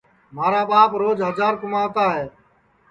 مھارا ٻاپ روج ہجار کُموتا ہے